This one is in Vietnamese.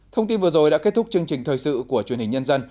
thông tin vừa rồi đã kết thúc chương trình thời sự của truyền hình nhân dân